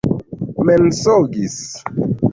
mensogis